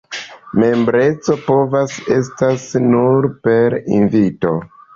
Membreco povas estas nur per invito.